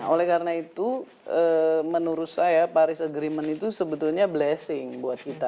oleh karena itu menurut saya paris agreement itu sebetulnya blessing buat kita